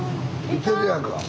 いてるやんか。